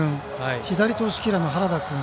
左投手キラーの原田君。